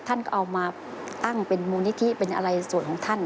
ท่านก็เอามาตั้งเป็นมูลนิธิเป็นอะไรส่วนของท่าน